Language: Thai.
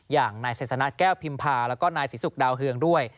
อย่างนายสัยสนัสแก้วพิมพาและก็นายสิสุกดาวเฮืองด้วย